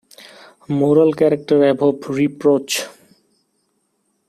Moral character above reproach.